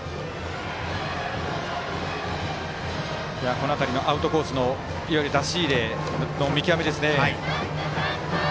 この辺りのアウトコースの出し入れの見極めですね。